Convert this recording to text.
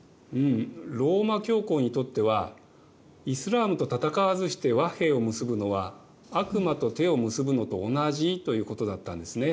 ローマ教皇にとってはイスラームと戦わずして和平を結ぶのは悪魔と手を結ぶのと同じということだったんですね。